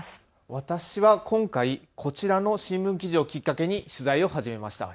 私は今回、こちらの新聞記事をきっかけに取材を始めました。